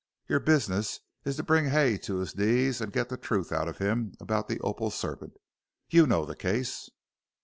Your business is to bring Hay to his knees and get the truth out of him about the opal serpent. You know the case?"